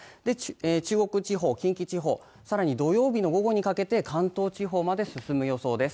中国地方、近畿地方さらに土曜日の午後にかけて関東地方まで進む予想です